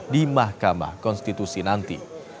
di mahkamah konstitusi nanti